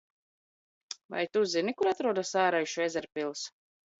Vai tu zini kur atrodas Āraišu ezerpils?